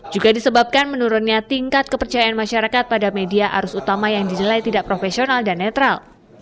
juga disebabkan menurunnya tingkat kepercayaan masyarakat pada media arus utama yang dinilai tidak profesional dan netral